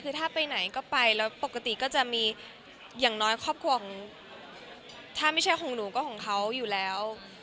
คือถ้าไปไหนก็ไปแล้วปกติก็จะมีอย่างน้อยครอบครัวของถ้าไม่ใช่ของหนูก็ของเขาอยู่แล้ว